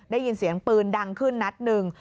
ได้ยินเสียงปืนดังขึ้นนัดหนึ่ง